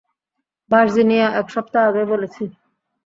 Virginia, এক সপ্তাহ আগেই বলেছি।